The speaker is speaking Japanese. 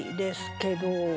けど？